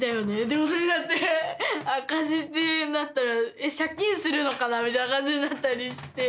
でもそれだって赤字ってなったらえっ借金するのかなみたいな感じになったりして。